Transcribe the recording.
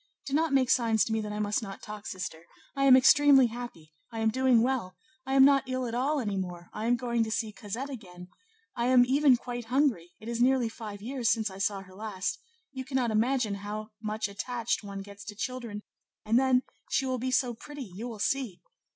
Do not make signs to me that I must not talk, sister! I am extremely happy; I am doing well; I am not ill at all any more; I am going to see Cosette again; I am even quite hungry; it is nearly five years since I saw her last; you cannot imagine how much attached one gets to children, and then, she will be so pretty; you will see!